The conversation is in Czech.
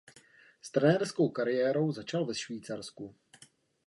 S trenérskou kariérou začal ve Švýcarsku.